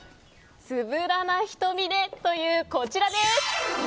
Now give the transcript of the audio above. つぶらな瞳でというこちらです。